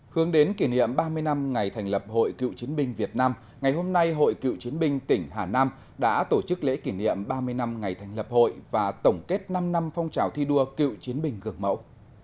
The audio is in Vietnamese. hướng đến kỷ niệm ba mươi năm ngày thành lập hội cựu chiến binh việt nam ngày hôm nay hội cựu chiến binh tỉnh hà nam đã tổ chức lễ kỷ niệm ba mươi năm ngày thành lập hội và tổng kết năm năm phong trào thi đua cựu chiến binh gương mẫu